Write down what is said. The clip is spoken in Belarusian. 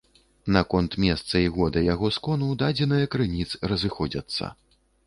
Наконт месца і года яго скону дадзеныя крыніц разыходзяцца.